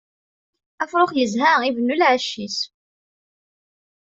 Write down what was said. Afrux yezha, ibennu lɛecc-is.